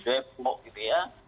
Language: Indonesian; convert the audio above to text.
di depok gitu ya